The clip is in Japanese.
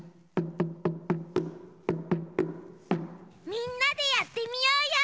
みんなでやってみようよ！